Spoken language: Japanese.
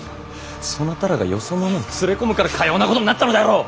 そなたらがよそ者など連れ込むからかようなことになったのであろう！